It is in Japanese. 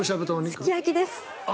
すき焼きです。